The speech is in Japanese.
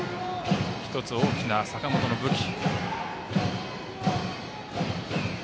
１つ、大きな坂本の武器。